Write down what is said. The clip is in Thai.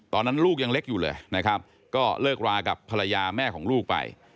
ตอนนั้นลูกยังเล็กอยู่เลยนะครับก็เลิกรากับภรรยาแม่ของลูกไป